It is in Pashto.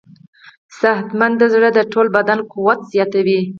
صحتمند زړه د ټول بدن قوت زیاتوي.